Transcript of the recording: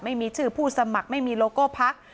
ไม่มีชื่อผู้สมัครไม่มีโลโก้พัก